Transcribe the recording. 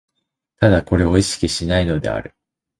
唯これを意識しないのである。